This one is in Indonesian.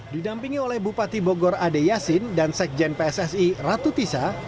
didampingi oleh bupati bogor ade yasin dan sekjen pssi ratu tisa